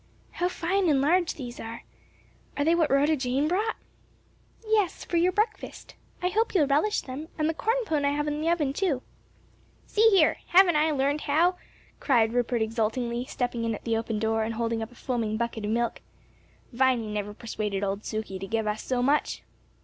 How fine and large these are; are they what Rhoda Jane brought?" "Yes; for your breakfast. I hope you'll relish them; and the corn pone I have in the oven, too." "See here! haven't I learned how?" cried Rupert exultingly, stepping in at the open door and holding up a foaming bucket of milk "Viny never persuaded old Suky to give us so much."